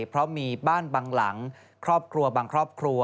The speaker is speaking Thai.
เพราะมีบ้านบางหลังครอบครัวบางครอบครัว